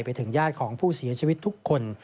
ไปถึงญาติของผู้เสียชีวิตทุกคน